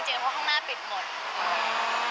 เพราะข้างหน้าปิดหมด